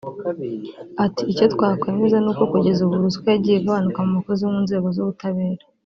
Ati “Icyo twakemeza ni uko kugeza ubu ruswa yagiye igabanuka mu bakozi bo mu nzego z’ubutabera